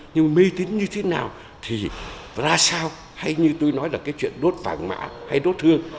nhưng mê tín như thế nào thì ra sao hay như tôi nói là cái chuyện đốt vàng mã hay đốt thương